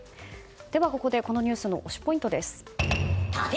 ここで、このニュースの推しポイントです。